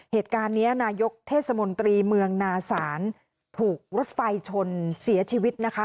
เหตุการณ์นี้นายกเทศมนตรีเมืองนาศาลถูกรถไฟชนเสียชีวิตนะคะ